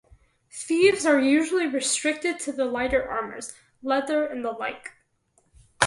Thieves are usually restricted to the lighter armors, leather and the like.